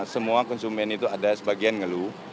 semua konsumen itu ada sebagian ngeluh